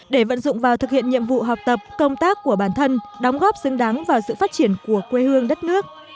để vận dụng vào thực hiện nhiệm vụ học tập công tác của bản thân đóng góp xứng đáng vào sự phát triển của quê hương đất nước